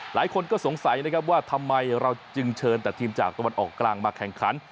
หลายคนก็สงสัยนะครับว่าทำไมเราจึงเชิญแต่ทีมจากตะวันออกกลางมาแข่งขัน